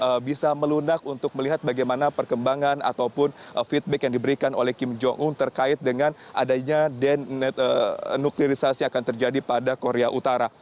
dan juga bagaimana nanti bisa melunak untuk melihat bagaimana perkembangan ataupun feedback yang diberikan oleh kim jong un terkait dengan adanya denuklirisasi akan terjadi pada korea utara